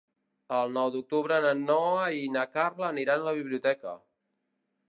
El nou d'octubre na Noa i na Carla aniran a la biblioteca.